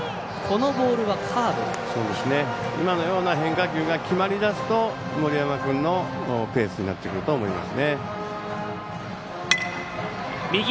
今のような変化球が決まりだすと、森山君のペースになってくると思います。